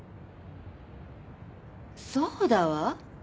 そうだわ。